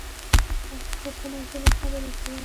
تاسو په کومه ژبه خبري کوی ؟